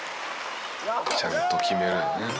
「ちゃんと決める」